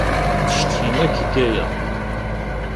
Ttcetkin akk deg waya.